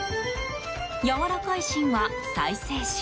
やわらかい芯は再生紙。